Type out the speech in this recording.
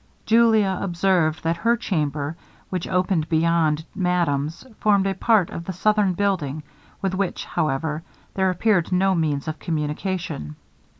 Julia observed that her chamber, which opened beyond madame's, formed a part of the southern building, with which, however, there appeared no means of communication.